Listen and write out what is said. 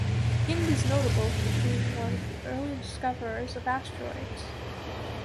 Hind is notable for being one of the early discoverers of asteroids.